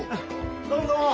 どうもどうも。